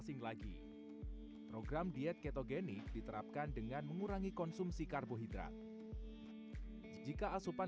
asing lagi program diet ketogenik diterapkan dengan mengurangi konsumsi karbohidrat jika asupan